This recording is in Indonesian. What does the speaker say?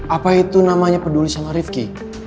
apa itu namanya peduli sama rifki